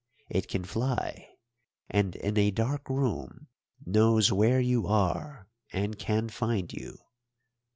It can fly, and in a dark room knows where you are and can find you.